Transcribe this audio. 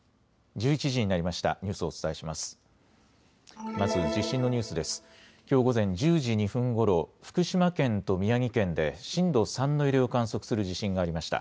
１１時になりました。